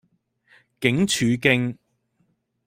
警署徑